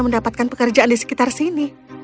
mendapatkan pekerjaan di sekitar sini